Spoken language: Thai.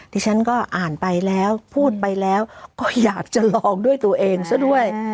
ที่ฉันก็อ่านไปแล้วพูดไปแล้วก็อยากจะลองด้วยตัวเองซะด้วย